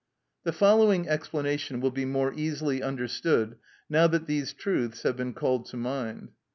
The following explanation will be more easily understood now that these truths have been called to mind.